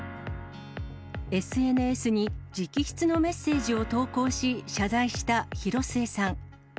ＳＮＳに直筆のメッセージを投稿し、謝罪した広末さん。